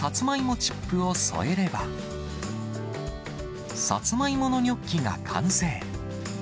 チップを添えれば、サツマイモのニョッキが完成。